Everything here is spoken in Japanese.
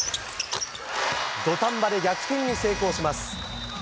土壇場で逆転に成功します。